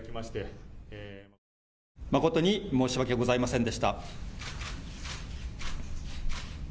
誠に申し訳ございませんでした。